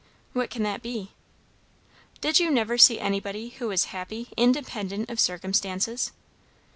"What can that be?" "Did you never see anybody who was happy independent of circumstances?"